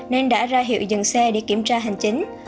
nên đã ra hiệu dừng xe để kiểm tra hành chính